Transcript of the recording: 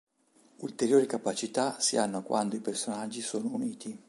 Ulteriori capacità si hanno quando i personaggi sono uniti.